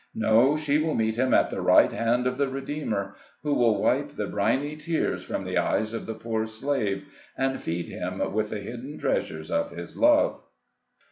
No, she will meet him at the right hand of the Redeemer, who will wipe the briny tears from the eyes of the poor slave, and feed him with the hidden treasures of His love.